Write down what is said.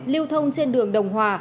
liêu thông trên đường đồng hòa